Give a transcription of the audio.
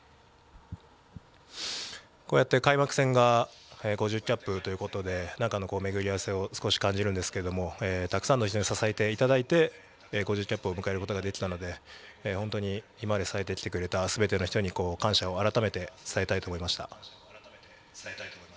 こうやって開幕戦が５０キャップということで何かの巡り合わせを少し感じるんですけどもたくさんの人に支えていただいて５０キャップ目を迎えることができたので本当に今まで支えてきてくれたすべての人に感謝を改めて伝えたいと思いました。